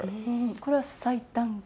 これは最短記録？